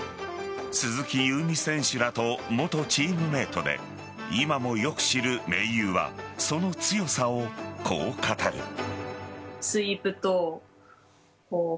鈴木夕湖選手らと元チームメートで今もよく知る盟友はその強さをこう語る。